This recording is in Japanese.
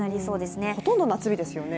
各地、ほとんど夏日ですよね。